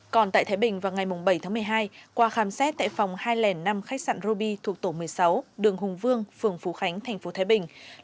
còn tại thái bình vào ngày bảy tháng một mươi hai qua khám xét tại phòng hai lẻn năm khách sạn roby thuộc tổ một mươi sáu đường hùng vương phường phú khánh tp thái bình